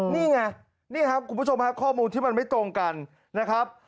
นี่ไงนี่ครับคุณผู้ชมฮะข้อมูลที่มันไม่ตรงกันนะครับ